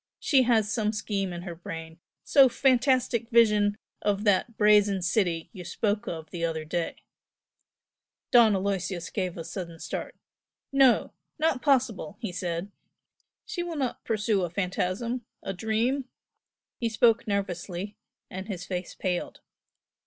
She has some scheme in her brain, so fantastic vision of that Brazen City you spoke of the other day " Don Aloysius gave a sudden start. "No! not possible!" he said "She will not pursue a phantasm, a dream!" He spoke nervously, and his face paled.